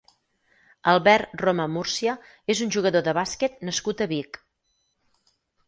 Albert Roma Múrcia és un jugador de bàsquet nascut a Vic.